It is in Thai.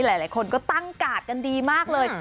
หลายคนก็ตั้งกาดกันดีมากเลย